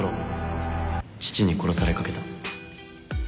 父に殺されかけた